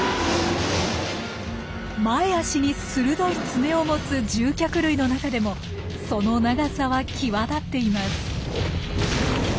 前足に鋭いツメを持つ獣脚類の中でもその長さは際立っています。